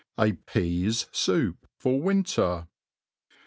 jf Peas Soup for JVlnter.